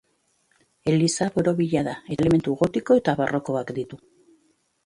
Eliza borobila da eta elementu gotiko eta barrokoak ditu.